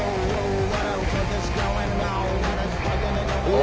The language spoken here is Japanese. お！